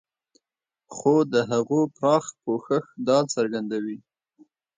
خو د هغو پراخ پوښښ دا څرګندوي.